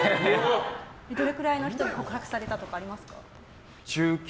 どれくらいの人に告白されたとかありますか？